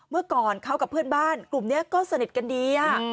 เมื่อก่อนเขากับเพื่อนบ้านกลุ่มนี้ก็สนิทกันดี